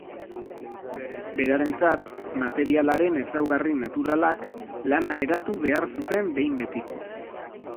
Berarentzat, materialaren ezaugarri naturalak, lana eratu behar zuten behin betiko.